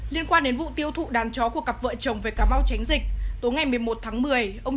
liên quan đến vụ tiêu thụ đàn chó của cặp vợ chồng về cà mau tránh dịch tối ngày một mươi một tháng một mươi ông